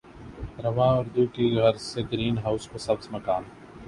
رواں اردو کی غرض سے گرین ہاؤس کو سبز مکان